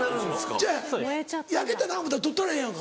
ちゃうやん焼けたな思うたら取ったらええやんか。